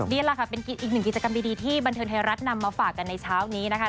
นี่แหละค่ะเป็นอีกหนึ่งกิจกรรมดีที่บันเทิงไทยรัฐนำมาฝากกันในเช้านี้นะคะ